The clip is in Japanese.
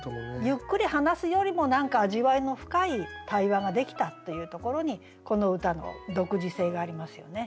ゆっくり話すよりも何か味わいの深い対話ができたというところにこの歌の独自性がありますよね。